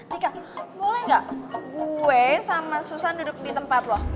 tika boleh nggak gue sama susan duduk di tempat loh